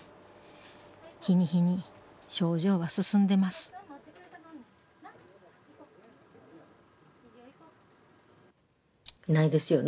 日に日に症状は進んでますないですよ